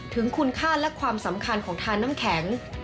ถึงคุณค่าและความสำคัญของทานน้ำแข็ง